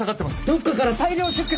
どっかから大量出血！